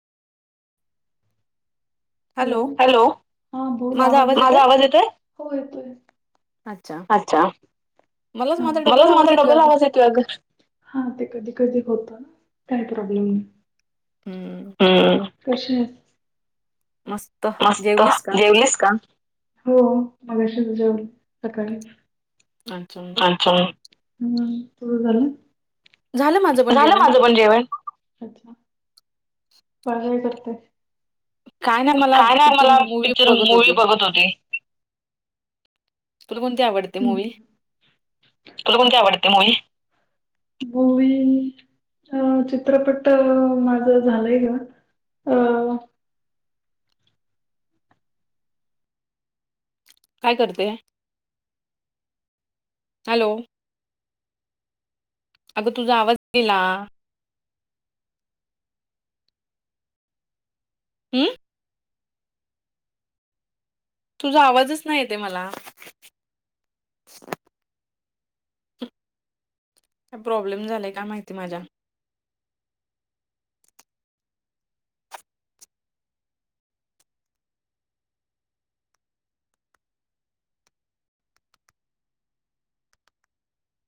Hello hello हा बोल आवाज माझा आवाज येतोय हो येतोय? अच्छा अच्छा मलाच माझा डबल लावाच येतो अग हा ते कधी कधी होतं ना काही प्रॉब्लेम नाही. ह [unintelligible] हम्म मस्त जेवलीस का? हो मगाशीच जेवली सकाळी अच्छा [unintelligible] झालं माझं पण जेवण. आणि काय करताय? काय ना मला पिक्चर मूवी बघत होती. तुला कोणती आवडते मूवी? तुला कोणती आवडते मूवी? मूवी अ चित्रपट माझ झालंय ग ह काय करते? हॅलो अगं तुझा आवाज गेला. ह तुझा आवाजच नाही येत मला. का प्रॉब्लेम झालाय का माहिती माझ्या